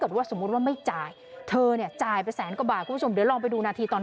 เป็นกลุ่มชายชะกันที่บุกเข้าไปที่บ้าน